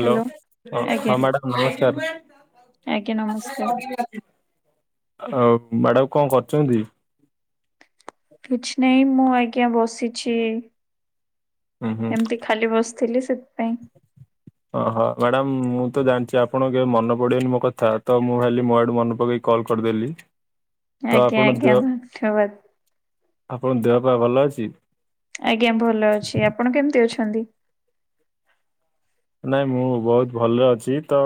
Hello. Hello ହଁ, ଆଜ୍ଞା madam ନମସ୍କାର। ଆଜ୍ଞା [unintelligible] ନମସ୍କାର ଜଗିବି ତାକୁ ଆଉ ମ୍ୟାଡମ୍ କଣ କରୁଛନ୍ତି? କିଛି ନାହିଁ ମୁଁ ଆଜ୍ଞା ବସିଛି ହୁଁ ହୁଁ ଏମିତି। ଖାଲି ବସିଥିଲି ସେଥିପାଇଁ। [inaudible] ଓହୋ ମ୍ୟାଡ଼ାମ୍ ମୁଁ ତ ଜାଣିଛି ଆପଣ କେବେ ମନ ପଡିବନି ମୋ କଥା ତ ମୁଁ ଭାବିଲି ମୋ ଆଡୁ ମନେ ପକେଇକି କଲ୍ କରିଦେଲି। ତ ଆଜ୍ଞା ଆପଣଙ୍କ ଆଜ୍ଞା ଦେହ ଧନ୍ୟବାଦ। ଆପଣଙ୍କ ଦେହ ପାଇଁ ଭଲ ଅଛି? ଆଜ୍ଞା ଭଲ ଅଛି ଆପଣ କେମିତି ଅଛନ୍ତି? ନାଇଁ ମୁଁ ବହୁତ୍ ଭଲରେ ଅଛି ତ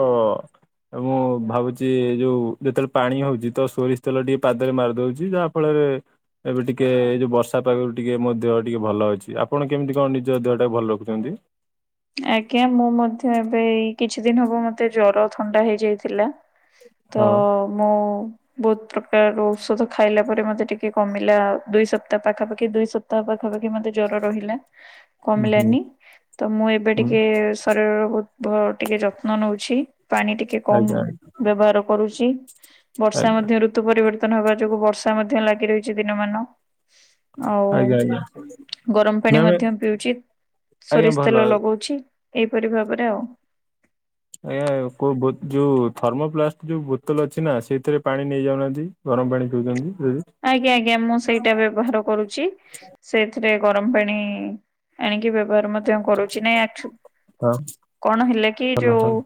ଏବଂ ମୁଁ ଭାବୁଛି ଏ ଯୋଉ ଯେତେବେଳେ ପାଣି ହଉଛି ତ ସୋରିଷ ତେଲ ଟିକେ ପାଦରେ ମାରିଦଉଛି ଯାହା ଫଳରେ ଏବେ ଟିକେ ଏଇ ଯୋଉ ବର୍ଷା ପାାଗରୁ ଟିକେ ମୋ ଦେହ ଟିକେ ଭଲ ଅଛି ଆପଣ କେମିତି କଣ ନିଜ ଦେହଟାକୁ ଭଲ ରଖୁଛନ୍ତି? ଆଜ୍ଞା ମୁଁ ମଧ୍ୟ ଏବେ ଏଇ କିଛି ଦିନ ହବ ମତେ ଜର, ଥଣ୍ଡା ହେଇଯାଇଥିଲା ତ ହଁ ମୁଁ ବହୁତ୍ ପ୍ରକାର ଔଷଧ ଖାଇଲା ପରେ ମତେ ଟିକେ କମିଲା ଦୁଇ ସପ୍ତାହ ପାଖାପାଖି ଦୁଇ ସ ସପ୍ତାହ ପାଖାପାଖି ମତେ ଜର ରହିଲା ହୁଁ କମିଲାନି ତ ମୁଁ ଏବେ ହୁଁ ଟିକେ ଶରୀରର ବହୁତ୍ ବ ଟିକେ ଯତ୍ନ ନଉଛି ପାଣି ଟିକେ ଟିକେ କମ୍ ଆଜ୍ଞା ବ୍ୟବହାର କରୁଛି ବର୍ଷା ଆଜ୍ଞା ମଧ୍ୟରୁ ଋତୁ ପରିବର୍ତନ ହେବା ଯୋଗୁଁ ବର୍ଷା ମଧ୍ୟ ଲାଗି ରହିଛି ଦିନ ମାନ। ଆଉ ଆଜ୍ଞା ଆଜ୍ଞା। ଗରମ ପାଣି ମ୍ୟାମ ମଧ୍ୟ ପିଉଛି, ଆଜ୍ଞା ସୋରିଷ ଭଲ ତେଲ ଲଗଉଛି। ଛି ଏଇପରି ଭାବରେ ଆଉ। ଆଜ୍ଞା। କୋଉ ବୋ ଥର୍ମୋପ୍ଲାଷ୍ଟ ଯୋଉ ବୋତଲ ଅଛି ନା ସେଇଥିରେ ପାଣି ନେଇ ଯାଉନାହାନ୍ତି। ଗରମ ପାଣି ପିଉଛନ୍ତି ଯଦି। ଆଜ୍ଞା, ଆଜ୍ଞା, ମୁଁ ସେଇଟା ବ୍ୟବହାର କରୁଛି। ସେଇଥିରେ ଗରମ ପାଣି ଆଣିକି ବ୍ୟବହାର ମଧ୍ୟ କରୁଛି। ନାଇଁ ଆଛୁ ହଁ କଣ ହେଲା କି ଭଲ ଭଲ। ଯୋଉ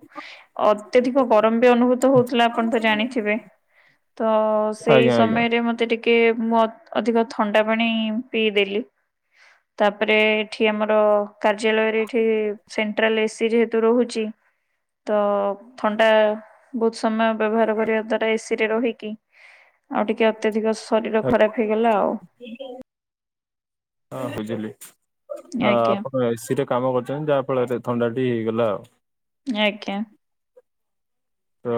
ଅତ୍ୟଧିକ ଗରମ ବି ଅନୁଭୂତ ହଉଥିଲା ଆପଣ ତ ଜାଣିଥିବେ। ତ ସେଇ ଆଜ୍ଞା ଆଜ୍ଞା ଆଜ୍ଞା, ସମୟରେ ମ ମତେ ଟିକେ, ମୁଁ ଅଧିକ ଥଣ୍ଡା ପାଣି ପିଇଦେଲି। ତାପରେ ଏଠି ଆମର କାର୍ଯ୍ୟାଳୟରେ ଏଠି ସେଣ୍ଟ୍ରାଲ ଏସି ଯେହେତୁ ରହୁଛି। ତ ଥଣ୍ଡା ବହୁତ ସମୟ ବ୍ୟବହାର କରିବା ଦ୍ଵାରା ଏସି ରେ ରହିକି, ଆଉ ଟିକେ ଅତ୍ୟଧିକ ଶରୀର ଖରାପ ହେଇଗଲା ଆଉ। ହଁ ବୁଝିଲି। ହଁ ଆଜ୍ଞା ଆପଣ ଏସିରେ କାମ କରିୁଛନ୍ତି ଯାହା ଫଳରେ ଥଣ୍ଡା ଟି ହେଇଗଲା ଆଉ। ଆଜ୍ଞା। ତ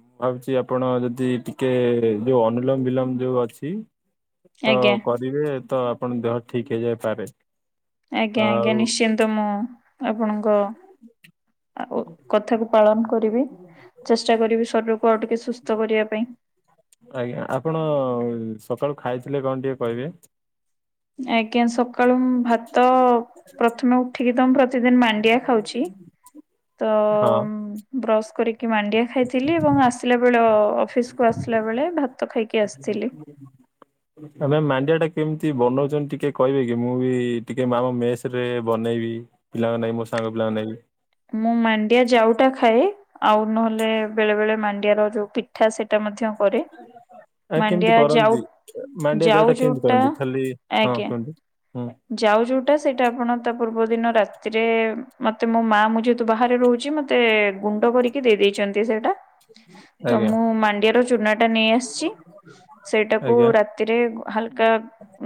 ମୁଁ ଭାବୁଛି ଆପଣ ଯଦି ଟିକେ, ଯୋଉ ଅନୁଲୋମ ବିଲମ ଯୋଉ ଅଛି। ତ ଆଜ୍ଞା କରିବେ ତ ଆପଣ ଦେହ ଠିକ ହେଇଯାଇପାରେ। ଆଜ୍ଞା ଆଜ୍ଞା। ଆଉ ନିଶ୍ଚିନ୍ତ ମୁଁ ଆପଣଙ୍କ ଆଉ କଥାକୁ ପାଳନ କରିବି। ଚେଷ୍ଟା କରିବି ଶରୀରକୁ ଆଉ ଟିକେ ସୁସ୍ଥ କରିବା ପାଇଁ। ଆଜ୍ଞା, ଆପଣ ସକାଳୁ ଖାଇଥିଲେ କଣ ଟିକେ କହିବେ? ଆଜ୍ଞା। ସକ ସକାଳୁ ଭାତ, ପ୍ରଥମେ ଉଠିକି ତ ମୁଁ ପ୍ରତିଦିନ ମାଣ୍ଡିଆ ଖାଉଛି। ତ ହଁ। ବ୍ରସ୍ କରିକି ମାଣ୍ଡିଆ ଖାଇଥିଲି ଏବଂ ଆସିଲା ବେଳେ ଅଫିସକୁୁ ଆସିଲା ବେଳେ ଭାତ ଖାଇକି ଆସିି ହ ଆମେ ମାଣ୍ଡିଆ ଟା କେମିତି ବନଉଛନ୍ତି ଟିକେ କହିବେ କି? ମୁଁ ବି ଟିକେ ଆମ ମେସରେ ବନେଇବି। ପିଲଙ୍ଗ ନାଗି, ମୋ ସଙ୍ଗ ପିଲାଙ୍କ ନାଗି। ମୁଁ ମାଣ୍ଡିଆ ଯାଉଟା ଖାଏ। ଆଉ ନହେଲେ ବେଳେ ବେଳେ ମାଣ୍ଡିଆର ଯୋଉ ପିଠା ସେଟା ମଧ୍ୟ କରେ। ଆ କେମିତି ମାଣ୍ଡିଆ ଯାଉ କରନ୍ତି? ମାଣ୍ଡିଆ ଯାଉ ଜାଉ ଟା କେମିତି ଯୋଉଟା କରନ୍ତି? ଖାଲି ହଁ ଆଜ୍ଞା। କୁହନ୍ତୁ, ହୁଁ ଯାଉ ଯୋଉଟା, ସେଇଟା ଆପଣ ତା ପୂର୍ବ ଦିନ ରାତିରେ ମତେ ମୋ ମା ମୁଁ ଯେହେତୁ ବାହାରେ ରହୁଛି, ମତେ ମତେ ଗୁଣ୍ଡ କରିକି ଦେଇ ଦେଇେଇଛନ୍ତି ସେଇଟା। ତ ଆଜ୍ଞା ମୁଁ ମାଣ୍ଡିଆର ଚୁନା ଟା ନେଇ ଆସିଛି। ସେଇଟାକୁ ଆଜ୍ଞା। ରା ତିରେ ହାଲକା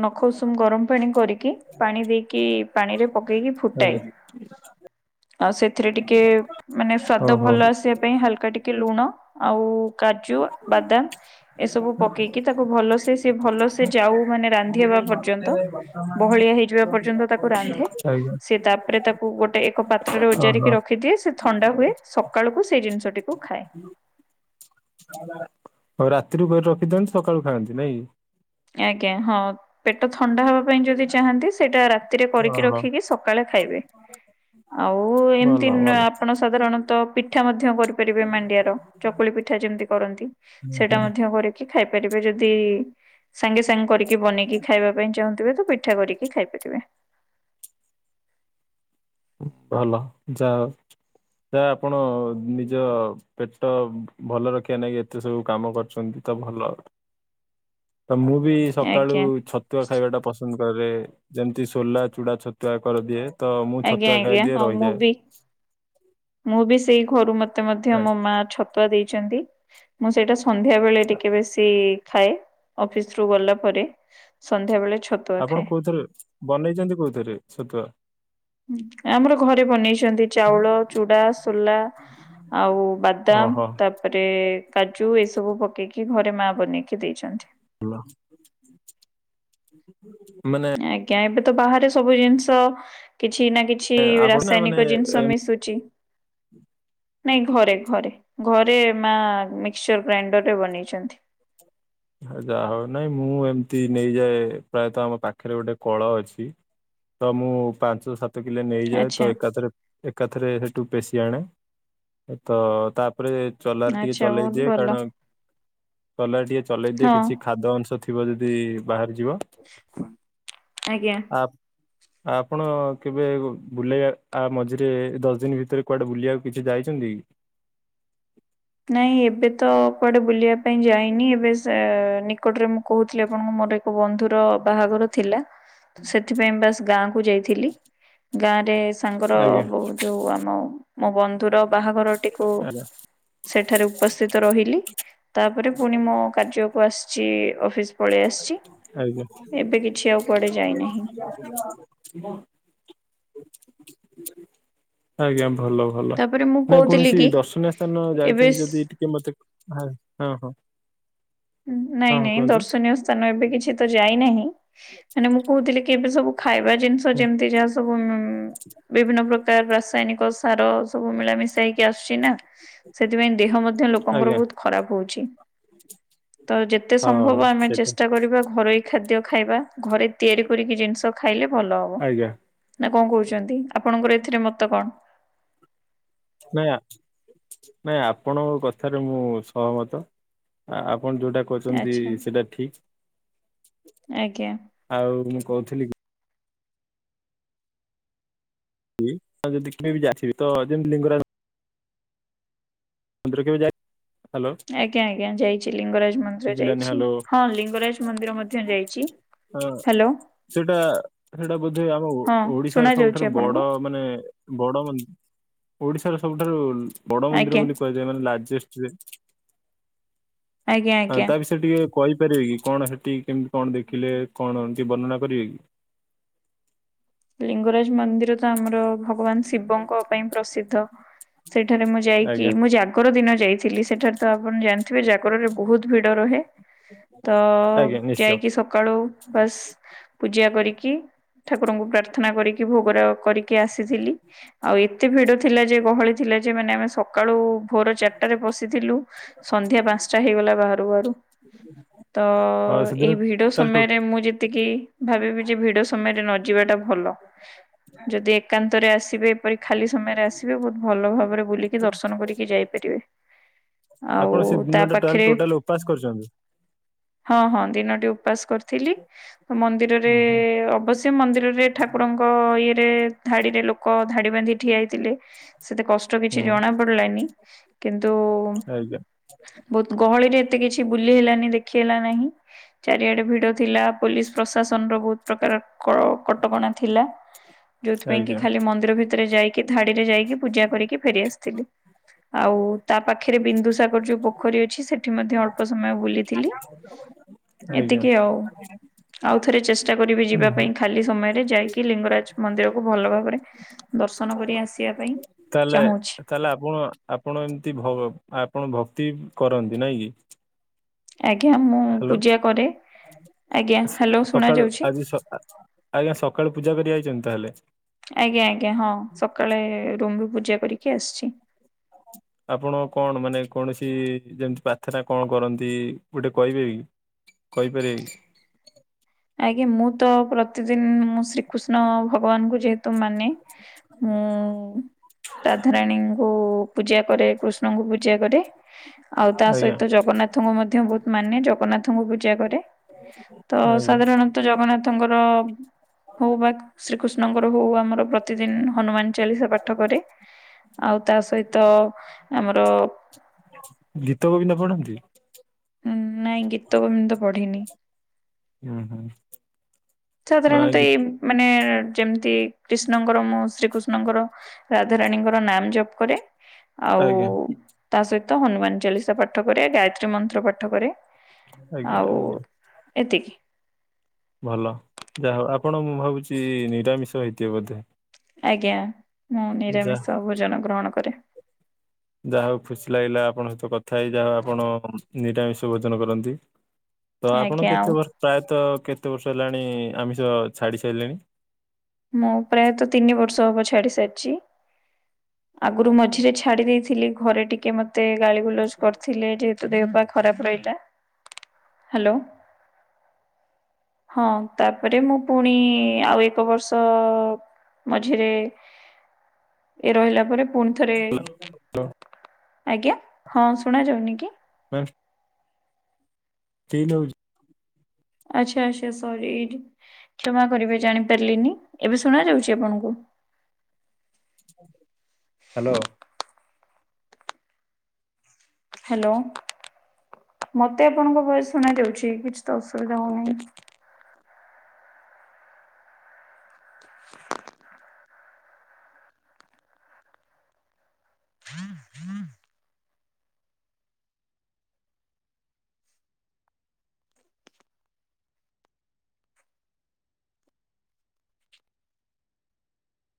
ନଖ ଉଷୁମ ଗରମ ପାଣି କରିକି, ପାଣି ଦେଇକି ପାଣିରେ ପକେଇକି ଫୁଟାଏ। ଆଜ୍ଞା ଆଉ ସେଥିରେ ଟିକେ ମାନେ ସ୍ଵାଦ ଓହୋ ଭଲ ଆସିବା ପାଇଁ ହାଲକା ଟିକେ ଲୁଣ, ଆଉ କାଜୁ, ବାଦାମ, ଏସବୁ ପକେଇକି ତାକୁ ଭଲସେ ସିଏ ଭଲ ସେେ ଯାଉ ମାନେ ରାନ୍ଧି ହେବା ପର୍ଯ୍ୟନ୍ତ ବହଳିଆ ହେଇଯିବା ପର୍ଯ୍ୟନ୍ତ ତାକୁ ରାନ୍ଧେ। ଆଜ୍ଞା ସେ ତାପରେ ତାକୁ ଗୋଟେ ଏକ ପାତ୍ରରେ ଓହୋ ଉଜାରିକି ରଖ ରଖିଦିଏ। ସେ ଥଣ୍ଡା ହୁଏ। ସକାଳକୁ ସେଇ ଜିନିଷଟିକୁ ଖାଏ। ହଁ ହଉ ରାତିରୁ ରଖିଦିଅନ୍ତି ସକାଳୁ ଖାଆନ୍ତି। ନାଇଁ? ଆଜ୍ଞା, ହଁ ପେଟ ଥଣ୍ଡା ହବା ପାଇଁ ଯଦି ଚାହାନ୍ତି ସେଇଟା ରା ରାତିରେ କରିକି ଓହୋ ରଖିକି ସକାଳେ ଖାଇବେ। ଆଉ ଭଲ ଏମିତି ନ ଭଲ ଆପଣ ସାଧାରଣତଃ ପି ପିଠା ମଧ୍ୟ କରିପାରିବେ ମାଣ୍ଡିଆର। ଚକୁଳି ପିଠା ଯେମିତି କରନ୍ତି। ହୁଁ ସେଟା ହୁଁ ମଧ୍ୟ କରି କି ଖାଇପାରିବେ ଯଦି ସାଙ୍ଗେ ସାଙ୍ଗେ କରିକି ବନେଇକି ଖାଇବା ପାଇଁ ଚାହୁଁଥିବେ ତ ପିଠା କରିକି ବି ଖାଇପାରିବେ। ଭଲ। ଯାହା ହଉ ତ ଆପଣ ନିଜ ପେଟ ଭଲ ରଖିବା ନାଗି ଏତେ ସବୁ କାମ କରୁଛନ୍ତି ତ ଭଲ। ତ ମୁଁ ବି ସକାଳୁ ଆଜ୍ଞା। ଛତୁଆ ଖାଇବା ଟା ପସନ୍ଦ କରେ ଯେମିତି ସୋଲା ଚୁଡ଼ା ଛତୁଆ କରିଦିଏ। ତ ମୁଁ ଆଜ୍ଞା ଛତୁଆ ଖାଇ ଆଜ୍ଞା ଦିଏ ହଁ ମୁଁ ରହିଯାଏ। ବି ମୁଁ ବି ସେଇ ଘରୁ ମତେ ମଧ୍ୟ ମୋ ମା ଛତୁଆ ଦେଇଛନ୍ତି। ମୁଁ ସେଇଟା ସନ୍ଧ୍ୟା ବେଳେ ଟିକେ ବେଶୀ ଖାଏ। ଅଫିସ ରୁ ଗଲା ପରେ ସନ୍ଧ୍ୟାବେଳେ ଛତ ଆପଣ କୋଉଥିରେ ବନେଇଛନ୍ତି କୋଉଥିରେ ଛତୁଆ? ଆମର ଘରେ ବନେଇଛନ୍ତି ଚାଉଳ ଚୁଡ଼ା ସୋଲା ଆଉ ବାଦାମ ଓହୋ ତା ତାପରେ କାଜୁ ଏ ସବୁ ପକେଇକି ଘରେ ମା ବନେଇକି ଦେଇଛନ୍ତି। ଲ ମାନେ ଆଜ୍ଞା ଏବେ ତ ବାହାରେ ସବୁ ଜିନିଷ କିଛି ନା କିଛି କିଛି ଆପଣ ନା ମାନେ ରାସାୟନିକ ଜିନିଷ ଏମ ମିଶୁଛି। ନାଇଁ ଘରେ ଘରେ ଘରେ ମା ମିକ୍ସଚର ଗ୍ରାଇଣ୍ଡରରେ ବନେଇଛନ୍ତି। ଯାହା ହଉ ନାଇଁ ମୁଁ ଏମିତି ନେଇଯାଏ ପ୍ରାୟତଃ ଆମ ପାଖରେ ଗୋଟେ କଳ ଅଛି। ତ ମୁଁ ପାଞ୍ଚ ସାତ କିଲୋ ନେଇଯାଏ ଆଚ୍ଛା ତ ଏକାଥରେ ଏକାଥରେ ସେଠୁ ପେଶି ଆଣେ ତ ତାପରେ ଚଲାର ଟିକେ ଆଚ୍ଛା ବହୁତ ଚଲେଇଦିଏ ଭଲ କାରଣ ଚଲାର ଟିକେ ଚଳେଇ ଦିଏ ହଁ କିଛି ଖାଦ୍ୟ ଅଂଶ ଥିବ ଯଦି ବାହାରି ଯିବ। ଆଜ୍ଞା। ଆପ ଆପଣ କେବେ ବୁଲେଇବା ଆ ମଝିରେ ଦଶ ଦିନ ଭିତରେ କୁଆଡେ ବୁଲିବାକୁ କିଛି ଯାଇଛନ୍ତି? ନାଇଁ ଏବେ ତ କୁଆଡେ ବୁଲିବା ପାଇଁ ଯାଇନି ଏବେ ସେ ନିକଟରେ ମୁଁ କହୁଥିଲି ଆପଣଙ୍କ ମୋର ଏକ ବନ୍ଧୁର ବାହାଘର ଥିଲା। ସେଥିପାଇଁ ବାସ ଗାଁ କୁ ଯାଇଥିଲି। ଗାଁ ରେ ସାଙ୍ଗର ଆଜ୍ଞା ଯୋଉ ଆମ ମୋ ବନ୍ଧୁର ବାହାଘରଟିକୁ ଆଜ୍ଞା ସେଠାରେ ଉପସ୍ଥିତ ରହିଲି ତାପରେ ପୁଣି ମୋ କାର୍ଯ୍ୟକୁ ଆସିଛି ଅଫିସ ପଳେଇ ଆସିଛି। ଆଜ୍ଞା। ଆଜ୍ଞା ଏବେ କିଛି ଆଉ କୁଆଡେ ଯାଇନାହିଁ ଭଲ। ଭଲ ତାପରେ ମୁଁ ନାଇଁ କହୁଥିଲି କୌଣସି କି ଦର୍ଶନୀୟ ସ୍ଥାନ ଏବେ ଯାଇଛନ୍ତି ସ୍- ଯଦି ଟିକେ ମତେ ହଁ ହଁ? ନାଇଁ ହଁ ନାଇଁ କୁହନ୍ତୁ ଦର୍ଶନୀୟ ସ୍ଥାନ ଏବେ କିଛି ତ ଯାଇନାହିଁ ମାନେ ମୁଁ କହୁଥିଲି ଏବେ ସବୁ ଖାଇବା ଜିନିଷ ହୁଁ ଯେମିତି ଯାହା ସବୁ ବିଭିନ୍ନ ପ୍ରକାର ରାସାୟନିକ ସାର ସବୁ ମିଳାମିଶା ହେଇକି ଆସୁଛି ନା ସେଥିପାଇଁ ଦେହ ମଧ୍ୟ ଲୋକଙ୍କର ଆଜ୍ଞା ବହୁତ ଖରାପ ହଉଛି। ତ ଯେତେ ସମ୍ଭବ ହଁ ଆମେ ସେଇଟା ଚେଷ୍ଟା କରିବା ଘରୋଇ ଖାଦ୍ୟ ଖାଇବା ଘରେ ତିଆରି କରିକି ଜିନିଷ ଖାଇଲେ ଭଲ ହବ ଆଜ୍ଞା ନା କଣ କହୁଛନ୍ତି ଆପଣଙ୍କର ଏଥିରେ ମତ କଣ?? ନାଇଁଆ ନାଇଁ ଆପଣଙ୍କ କଥାରେ ମୁଁ ସହମତ ଆପଣ ଯୋଉଟା କରଛନ୍ତି ଆଚ୍ଛା ସେଟା ଠିକ। ଆଜ୍ଞା। ଆଉ ମୁଁ କହୁଥିଲି କି ଯଦି କେବେ ବି ଯାଥିବି ତ ଯେମିତି ଲିଙ୍ଗରାଜ ମନ୍ଦିର କେବେ ଯା ଆଜ୍ଞା ଆଜ୍ଞା ଯାଇଛି ଲିଙ୍ଗରାଜ ମନ୍ଦିର ଶୁଭିଲାନି ଯାଇଛି ହ୍ୟାଲୋ ହଁ ଲିଙ୍ଗରାଜ ମନ୍ଦିର ମଧ୍ୟ ଧ୍ୟ୍ୟ ଯାଇଛି। ହଁ ହ୍ୟାଲୋ। ସେଟା ସେଇଟା ବୋଧେ ଆମ ହଁ ଓଡିଶାର ଶୁଣା ଯାଉଛି ସବୁଠାରୁ ବଡ ଆପଣଙ୍କୁ ମାନେ ବଡ ମନ୍ଦିର ଓଡିଶାର ସବୁଠାରୁ ବଡ ମନ୍ଦିର ଆଜ୍ଞା ବୋଲି ଲାର୍ ଯେଷ୍ଟ୍ ରେ [unintelligible] ଆଜ୍ଞା ଆଜ୍ଞା। ସେ ଟିକେ କହିପାରିବେ କି କଣ ସେଠି କେମିତି କଣ ଦେଖିଲେ କଣ ଟିକେ ବର୍ଣ୍ଣନା କରିବେ କି? ଲିଙ୍ଗରାଜ ମନ୍ଦିର ଆମର ଭଗବାନ ଶିବଙ୍କ ପାଇଁ ପ୍ରସିଦ୍ଧ ସେଠାରେ ମୁଁ ଯାଇକି ଆଜ୍ଞା ମୁଁ ଜ ଜାଗର ଦିନ ଯାଇଥିଲି ସେଠାରେ ତ ଆପଣ ଜାଣିଥିବେ ଜାଗରରେ ବହୁତ୍ ଭିଡ ରହେ। ତ ଆଜ୍ଞା ନିଶ୍ଚୟ ଯାଇକି ସ ସକାଳୁ ବାସ୍ ପୂଜା କରିକି ଠାକୁରଙ୍କୁ ପ୍ରାର୍ଥନା କରିକି ଭୋଗ ରାଗ କର୍ କି ଆସିଥିଲି ଆଉ ଏତେ ଭିଡ ଥିଲା ଯେ ଗହଳି ଥିଲା ଯୋ ଆମେ ସ ସକାଳୁ ଭୋର ଚାରିଟାରେ ପଶିଥିଲୁ ସନ୍ଧ୍ୟା ପାଞ୍ଚଟା ହେଇଗଲା ବାହାରୁ ବାହାରୁ। ତ ଆଉ ଏଇ ସେଦିନ ଭିଡ ତାହେଲେ ଟୋ ସମୟରେ ମୁଁ ଯେ ଏତିକି ଭାବିବି ଯେ ଭିଡ ସମୟରେ ନ ଯିବାଟା ଭଲ ଯଦି ଏକାନ୍ତରେ ଆସିବେ ଏପରି ଖାଲି ସମୟରେ ଆସିବେ ବହୁତ ଭଲ ଭାବରେ ବୁଲିକି ଦର୍ଶନ କରିକି ଯାଇପାରିବେ। ଆଉ ଆପଣ ସେ ତା ଦିନଟା ପାଖରେ ଟୋଟାଲ ଅପାସ୍ କରିଛନ୍ତି? ହଁ ହଁ ଦିନଟି ଉପାସ କରିଥିଲି। ମନ୍ଦିରରେ ହୁଁ ହୁଁ ଅବଶ୍ୟ ମନ୍ଦିରରେ ଠାକୁରଙ୍କ ଇଏରେ ଧାଡିରେ ଲୋକ ଧାଡି ବାନ୍ଧି ଠିଆ ହେଇଥିଲେ ସେତେ କଷ୍ଟ କଷ୍ଟ କିଛି ହୁଁ, ଜଣା ପଡିଲାନି କିନ୍ତୁ? ଆଜ୍ଞା ବହୁତ୍ ଗହଳିରେ ଏତେ କିଛି ବୁଲି ହେଲାନି ଦେଖି ହେଲା ନାହିଁ। ଚାରିଆଡେ ଭିଡ ଥିଲା ପୋଲିସ୍ ପ୍ରଶାସନ ର ବହୁତ ପ୍ରକାର କ କଟକଣା ଥିଲା ଯୋଉଥି ପାଇଁ କି ଆଜ୍ଞା ଖାଲି ମନ୍ଦିର ଭିତରେ ଯାଇକି ଧାଡିରେ ଯାଇକି ପୂଜା କରିକି ଫେରିଆସିଲୁ। ଆଉ ତା ପାଖରେ ବିନ୍ଦୁ ସାଗ ତାର ଯୋଉ ପୋଖରୀ ଅଛି ସେଠି ମଧ୍ୟ ଅଳ୍ପ ସମୟ ବୁଲିଥିଲି। [inaudible] ଆଜ୍ଞା ଏତିକି ଆଉ, ଆଉ ଥରେ ଚେଷ୍ଟା କରିବି ଯିବା ଭଲ ପାଇଁ। ଖାଲି ସମୟରେ ଯାଇକି ଲିଙ୍ଗରାଜ୍ ମନ୍ଦିରକୁ ଭଲ ଭାବରେ ଦର୍ଶନ କରି ଆସିବା ପାଇଁ। ତାହଲେ ଚାହୁଁଛି ତାହେଲେ ଆପଣ ଆପଣ ଏମିତି ଆପଣ ଭକ୍ତି କରନ୍ତି ନାଇଁ କି? ଆଜ୍ଞା ମୁଁ ପୂଜା କରେ। ଆଜ୍ଞା ସ୍ ହ୍ୟାଲୋ ଶୁଣା ସକାଳୁ ଯାଉଛି? ଆଜି ଆଜ୍ଞା ସକାଳୁ ପୂଜା କରି ଆଇଛନ୍ତି ତାହେଲେ? ଆଜ୍ଞା ଆଜ୍ଞା ହଁ ସକାଳେ ରୁମ୍ ରୁ ପୂଜା କରିକି ଆସିଛି। ଆପଣ କଣ ମାନେ କୌଣସି ଯେମିତି ପ୍ରାର୍ଥନା କଣ କରନ୍ତି ଗୋଟେ କହିବେ କି? କହିପାରିବେ। ଆଜ୍ଞା ମୁଁ ତ ପ୍ରତିଦିନି ମୁ ଶ୍ରୀକୃଷ୍ଣ ଭଗବାନଙ୍କୁ ଯେହେତୁ ତ ମାନେ ଉଁ ଉଁ ତାଧାରାଣୀଙ୍କୁ ପୂଜା କରେ କୃଷ୍ଣଙ୍କୁ ପୂଜା କରେ ଆଉ ତା ଆଜ୍ଞା ସହିତ ଜଗନ୍ନାଥଙ୍କୁ ମଧ୍ୟ ବହୁତ୍ ମାନେ ଜଗନ୍ନାଥଙ୍କୁ ପୂଜା କରେ। ଆଜ୍ଞା। ତୁ ଜଗନ୍ନାଥଙ୍କର ହଉ ବା ଶ୍ରୀକୃଷ୍ଣଙ୍କର ହଉ ଆମର ପ୍ରତିଦିନ୍ ହନୁମାନ୍ ଚାଳିଶା ପାଠ କରେ ଆଉ ତା ସହିତ ଆମର ଗୀତ ଗୋବିନ୍ଦ ପଢ଼ନ୍ତି। ଉଁ ନାଇଁ ଗୀତ ଗୋବିନ୍ଦ ପଢେନି। ଉଁ ହୁଁ। ଆ ସାଧାରଣତଃ ଗୀତ ଏଇ ମାନେ ଯେମିତି କ୍ରୀଷ୍ଣଙ୍କର ମୁଁ ଶ୍ରୀକୃଷ୍ଣଙ୍କର ରାଧାରାଣୀଙ୍କର ନାମ୍ ଜପ କରେ। ଆଉ ଆଜ୍ଞା ତା ସହିତ ହନୁମାନ ଚାଳିଶା ପାଠ କରେ ଗାୟତ୍ରୀ ମନ୍ତ୍ର ପାଠ କରେ। ଆଜ୍ଞା ଆଉ ଆଜ୍ଞା ଏତିକି। ଭଲ ଯାହା ହଉ ଆପଣ ମୁଁ ଭାବୁଛି ନିରାମିଷ ହେଇଥିବେ ବୋଧେ। ଆଜ୍ଞା ମୁଁ ଯା ନିରାମିଷ ଭୋଜନ ଗ୍ରହଣ କରେ। ଯାହା ହଉ ଖୁସି ଲାଗିଲା ଆପଣଙ୍କ ସହିତ କଥା ହେଇ ଯାହଉ ଆପଣ ନିରାମିଷ ଭୋଜନ କରନ୍ତି। ତ ଆପଣ ଆଜ୍ଞା ଆଉ କେତେ ବ ପ୍ରାୟତଃ କେତେ ବର୍ଷ ହେଲାଣି ଆମିଷ ଛାଡି ସାଇଲେଣି। ମୁଁ ପ୍ରାୟତଃ ତିନି ବର୍ଷ ହବ ଛାଡି ସାରିଚି ଆଗରୁ ମଝିରେ ଛା ଛାଡ଼ି ଦେଇଥିଲି ଘରେ ଟିକେ ମତେ ଗାଳିଗୁଲଜ କରିଥିଲେ ଯେ ତୁ ଦେହ ପା ଖରାପ ରଇଲା ହ୍ୟାଲୋ। ହଁ ତାପରେ ମୁଁ ପୁଣି ଆଉ ଏକ ବର୍ଷ ତ ମଝିରେ ଇଏ ରହିଲା ପରେ ପୁଣି ଥରେ ହ୍ୟାଲୋ ଆଜ୍ଞା ହଁ ଶୁଣାଯାଉନି କି? ମ୍ୟାମ୍ ଷ୍ଟିଲ୍ ହଉଚି। ଆଚ୍ଛା ଆଚ୍ଛା ସରି ଏଠି କ୍ଷମା କରିବେ ଜାଣିପାରିଲିନି ଏବେ ଶୁଣା ଯାଉଛି ଆପଣଙ୍କୁ? ହ୍ୟାଲୋ। ହ୍ୟାଲୋ ମତେ ଆପଣଙ୍କ ଭୟସ ଶୁଣା ଯାଉଚି କିଛି ତ ଅସୁବିଧା ହଉ ନେଇ।